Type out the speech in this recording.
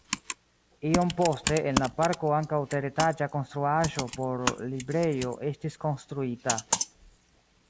Iom poste en la parko ankaŭ teretaĝa konstruaĵo por librejo estis konstruita.